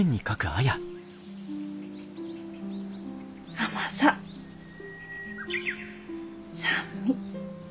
甘さ酸味。